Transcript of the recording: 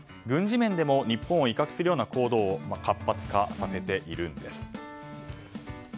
軍事面でも日本を威嚇するような行動を活発化させているんです。